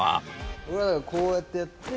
俺だからこうやってやって。